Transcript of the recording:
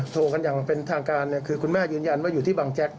โทรกันอย่างเป็นทางการเนี่ยคือคุณแม่ยืนยันว่าอยู่ที่บังแจ็ค